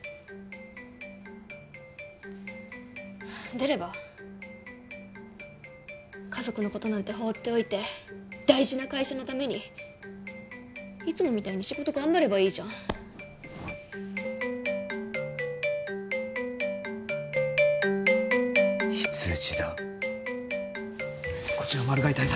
出れば家族のことなんて放っておいて大事な会社のためにいつもみたいに仕事頑張ればいいじゃん非通知だ・こちらマル害対策